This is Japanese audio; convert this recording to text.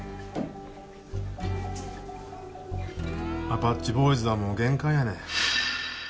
アパッチボーイズはもう限界やねん。